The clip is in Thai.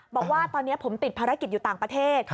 บอกว่าตอนนี้ผมติดภารกิจอยู่ต่างประเทศ